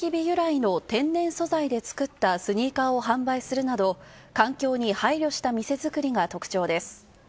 由来の天然素材で作ったスニーカーを販売するなど、環境に配慮した店作りが特徴です。